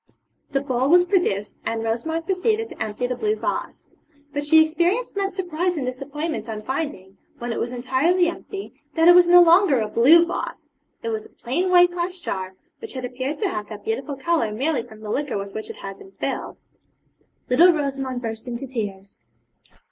The bowl was produced, and Rosamond proceeded to empty the blue vase. But she experienced much surprise and disappointment on finding, when it was entirely empty, that it was no longer a blue vase. It was a plain white glass jar, which had appeared to have that beautiful colour merely from the liquor with which it had been filled. Little Rosamond burst into tears.